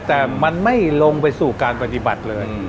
แต่มันไม่ลงไปสู่การปฏิบัติเลย